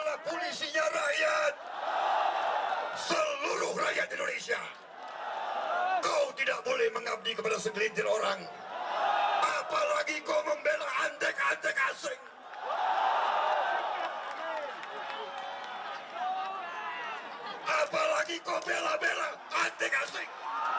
apa lagi kau bela bela antik asik